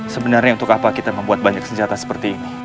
sebenarnya untuk apa kita membuat banyak senjata seperti ini